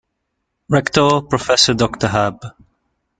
Rector: Professor dr hab.